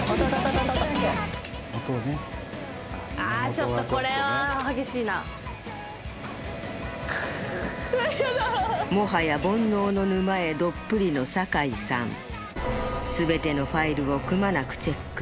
ちょっとこれは激しいなもはや煩悩の沼へどっぷりの酒井さんすべてのファイルをくまなくチェック